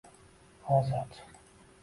Ozod